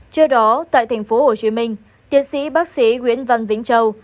trước đó tại tp hcm tiến sĩ bác sĩ nguyễn văn vĩnh châu